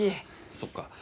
そっか。